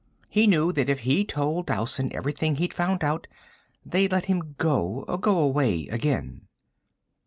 He knew that if he told Dowson everything he'd found out, they'd let him go go away again."